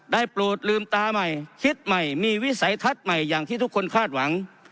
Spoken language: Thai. โปรดลืมตาใหม่คิดใหม่มีวิสัยทัศน์ใหม่อย่างที่ทุกคนคาดหวัง